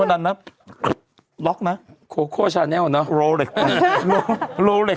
เป็นการกระตุ้นการไหลเวียนของเลือด